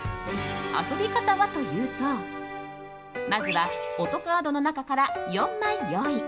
遊び方はというとまずは音カードの中から４枚用意。